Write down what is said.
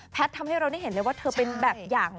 ทำให้เราได้เห็นเลยว่าเธอเป็นแบบอย่าง